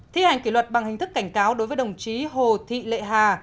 thi hành kỷ luật bằng hình thức cảnh cáo đối với đồng chí hồ thị lệ hà